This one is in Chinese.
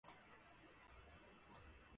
使用正确的拼写